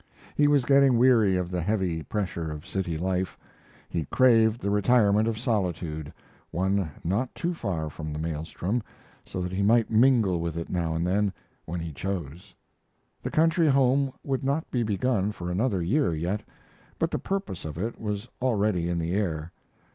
He was getting weary of the heavy pressure of city life. He craved the retirement of solitude one not too far from the maelstrom, so that he might mingle with it now and then when he chose. The country home would not be begun for another year yet, but the purpose of it was already in the air.